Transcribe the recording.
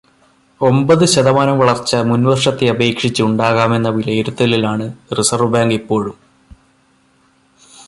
ഒമ്പത് ശതമാനം വളർച്ച മുൻവർഷത്തെ അപേക്ഷിച്ച് ഉണ്ടാകുമെന്ന വിലയിരുത്തലിലാണ് റിസർവ്വ് ബാങ്ക് ഇപ്പോഴും.